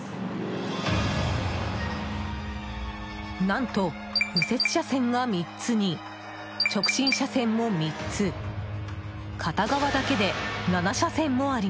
何と、右折車線が３つに直進車線も３つ。